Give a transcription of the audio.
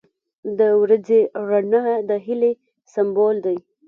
• د ورځې رڼا د هیلې سمبول دی.